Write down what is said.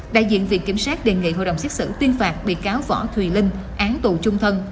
đại diện viện kiểm sát đề nghị hội đồng xét xử tuyên phạt bị cáo võ thùy linh án tù chung thân